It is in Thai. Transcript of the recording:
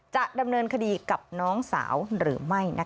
จะดำเนินคดีกับน้องสาวหรือไม่